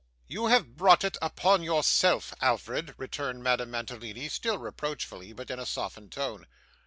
'You have brought it upon yourself, Alfred,' returned Madame Mantalini still reproachfully, but in a softened tone.